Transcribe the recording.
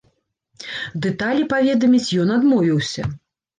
Дэталі паведаміць ён адмовіўся.